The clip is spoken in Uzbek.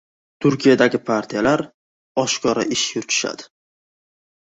Turkiyadagi partiyalar oshkora ish yuritishadi.